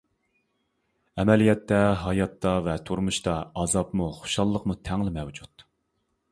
ئەمەلىيەتتە ھاياتتا ۋە تۇرمۇشتا ئازابمۇ، خۇشاللىقمۇ تەڭلا مەۋجۇت.